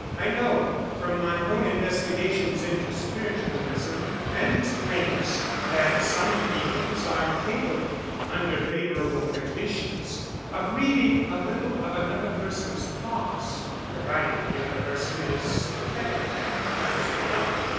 I know, from my own investigations into spiritualism and its claims, that some mediums are capable, under favourable conditions, of reading a little of another person's thoughts, provided the other person is sympathetic and tries to help.